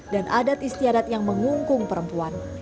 dan adat istiadat yang mengungkung perempuan